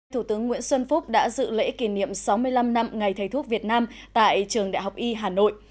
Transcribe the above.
thủ tướng nguyễn xuân phúc đã dự lễ kỷ niệm sáu mươi năm năm ngày thầy thuốc việt nam tại trường đại học y hà nội